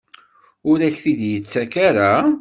Ur ak-t-id-yettak ara?